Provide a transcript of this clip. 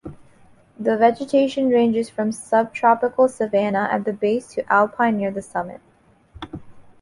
The vegetation ranges from sub-tropical savanna at the base, to alpine near the summit.